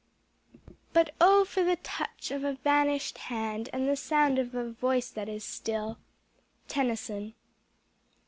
"But O! for the touch of a vanished hand, And the sound of a voice that is still." _Tennyson.